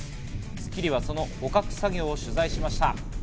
『スッキリ』はその捕獲作業を取材しました。